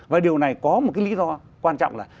và điều này có một cái lý do quan trọng là